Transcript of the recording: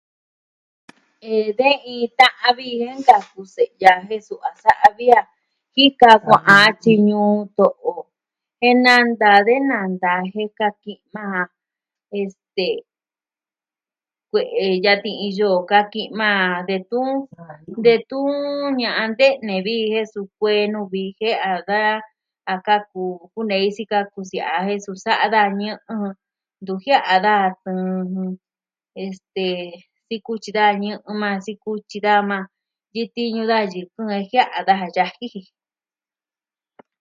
Eh... de iin ta'vi jen nkaku se'ya jen su a sa'a vi a jika kua'an tyi ñuu to'o jen nanta de nanta jen kaa ki maa este... kue'e yatin iyo kaa ki maa detun, detun ña'an te'ne vi jen sukuee nuu vijin a ka, a kaku, kenei sikaku siaa jen suu sa da ñɨ'ɨ. Ntu jia'a daa este, sikutyi daa ñɨ'ɨ maa, sikutyi daa maa. Yutiñu daa yɨkɨn jia'an daja ya'a ji.